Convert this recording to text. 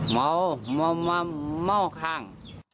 เมาเมาข้าง